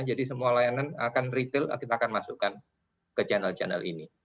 jadi semua layanan akan retail kita akan masukkan ke channel channel ini